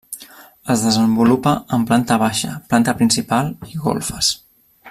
Es desenvolupa en planta baixa, planta principal i golfes.